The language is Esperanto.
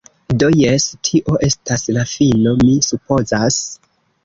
Do, jes, tio estas la fino, mi supozas.